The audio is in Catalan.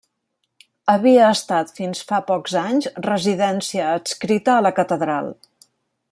Havia estat fins fa pocs anys residència adscrita a la Catedral.